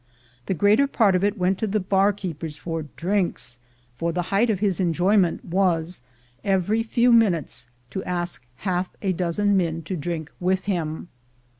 The greater part of it went to the bar keepers for "drinks," for the height of his enjoyment was every few minutes to ask half a dozen men to drink with him.